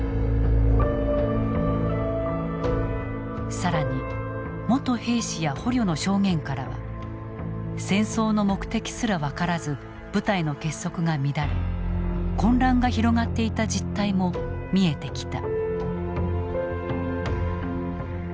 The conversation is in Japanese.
更に元兵士や捕虜の証言からは戦争の目的すら分からず部隊の結束が乱れ混乱が広がっていた実態も見えてきた。